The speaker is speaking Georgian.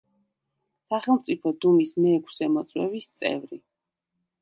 სახელმწიფო დუმის მეექვსე მოწვევის წევრი.